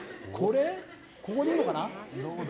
ここでいいのかな？